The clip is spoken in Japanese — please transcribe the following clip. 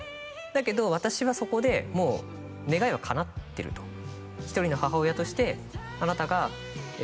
「だけど私はそこでもう願いは叶ってる」と「１人の母親としてあなたが」